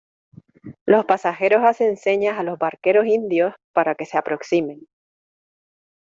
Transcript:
los pasajeros hacen señas a los barqueros indios para que se aproximen: